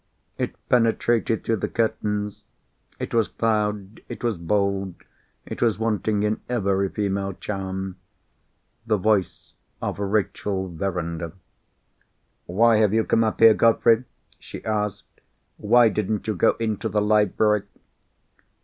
It penetrated through the curtains; it was loud, it was bold, it was wanting in every female charm. The voice of Rachel Verinder. "Why have you come up here, Godfrey?" she asked. "Why didn't you go into the library?"